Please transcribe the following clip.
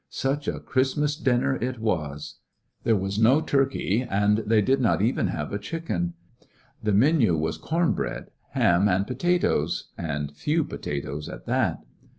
Such a Christmas dinner it was ! There was no turkey, and they did not even have a chicken. The menu was corn bread, ham, and potatoes, and few potatoes at that.